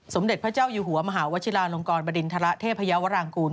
สมเด็จพระเจ้าอยู่หัวมหาวชิลาลงกรบริณฑระเทพยาวรางกูล